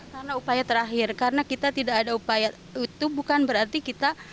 karena upaya terakhir karena kita tidak ada upaya itu bukan berarti kita